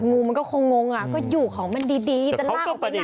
งูมันก็คงงอ่ะก็อยู่ของมันดีจะลากออกไปไหน